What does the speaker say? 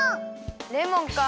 レモンか。